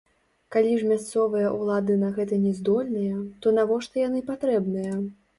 Калі ж мясцовыя ўлады на гэта не здольныя, то навошта яны патрэбныя?